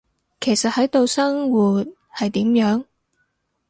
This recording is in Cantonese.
其實喺度生活，係點樣？